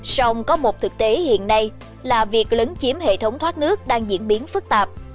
sông có một thực tế hiện nay là việc lấn chiếm hệ thống thoát nước đang diễn biến phức tạp